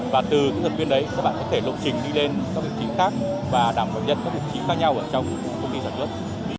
và từ kỹ thuật viên đấy các bạn có thể lộ trình đi lên các vị trí khác và đảm bảo nhân các vị trí khác nhau ở trong công ty giải quyết